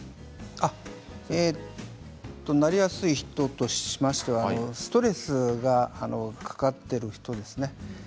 なりやすい人としましてはストレスがかかっている人ですね。